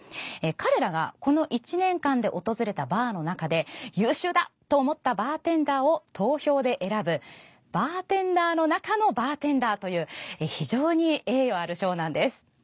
彼らが、この１年間で訪れたバーの中で優秀だと思ったバーテンダーを投票で選ぶバーテンダーの中のバーテンダーという非常に栄誉ある賞なんです。